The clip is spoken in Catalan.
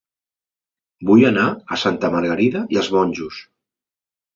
Vull anar a Santa Margarida i els Monjos